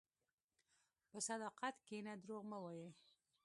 په صداقت کښېنه، دروغ مه وایې.